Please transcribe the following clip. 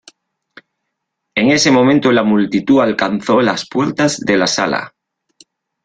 En ese momento, la multitud alcanzó las puertas de la sala.